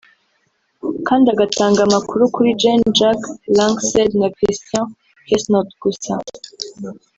kandi agatanga amakuru kuri Gen Jacques Lanxade na Christian Quesnot gusa